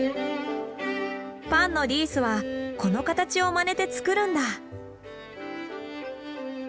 パンのリースはこの形をまねて作るんだ。